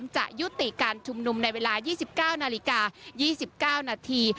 จะยุติการชุมนุมในเวลา๒๙นาฬิกา๒๙นาที